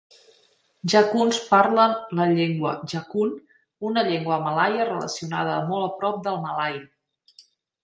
Jakuns parlen la llengua Jakun, una llengua Malaia relacionada molt a prop del malai.